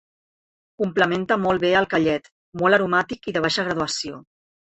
Complementa molt bé el callet, molt aromàtic i de baixa graduació.